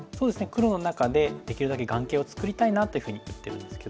黒の中でできるだけ眼形を作りたいなっていうふうに打ってるんですけども。